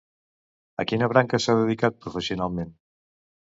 A quina branca s'ha dedicat professionalment?